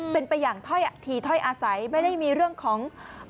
เป็นไปอย่างถ้อยทีถ้อยอาศัยไม่ได้มีเรื่องของ